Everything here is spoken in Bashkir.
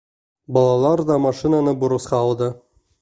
Балалар ҙа машинаны бурысҡа алды.